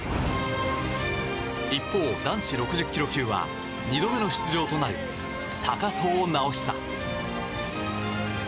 一方、男子６０ｋｇ級は２度目の出場となる高藤直寿。